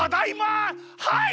はい！